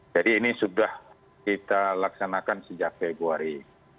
jadi ini sudah kita laksanakan sejak februari